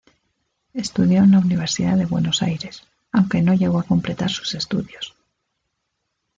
Estudió en la Universidad de Buenos Aires, aunque no llegó a completar sus estudios.